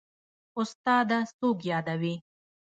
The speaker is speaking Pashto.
استاده څوک يادوې.